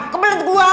kamu nanti bua